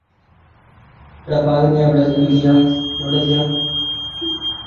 She lost her dad when she was six and her mother four years later.